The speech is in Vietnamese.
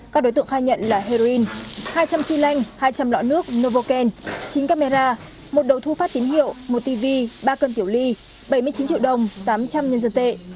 các đối tượng khai nhận là heroin hai trăm linh xy lanh hai trăm linh lọ nước novoken chín camera một đầu thu phát tín hiệu một tv ba cân tiểu ly bảy mươi chín triệu đồng tám trăm linh nhân dân tệ